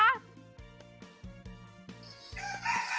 ไปหมอย